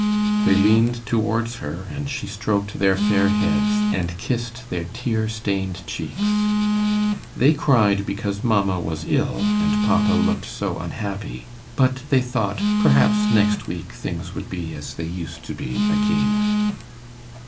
They leaned towards her, and she stroked their fair heads, and kissed their tear stained cheeks. They cried because mamma was ill and papa looked so unhappy; but they thought, perhaps next week things would be as they used to be again.